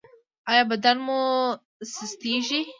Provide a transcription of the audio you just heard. ایا بدن مو سستیږي؟